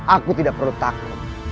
aku tidak perlu takut